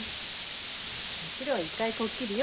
もちろん一回こっきりよ。